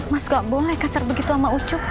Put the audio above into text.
mas nggak boleh kasar begitu sama ucup